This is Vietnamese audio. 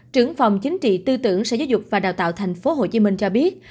trưởng phòng chính trị tư tưởng sở giáo dục và đào tạo tp hcm cho biết